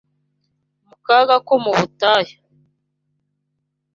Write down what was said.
mu kaga ko mu butayu